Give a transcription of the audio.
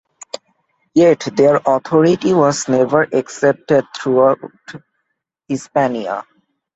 Yet, their authority was never accepted throughout Hispania.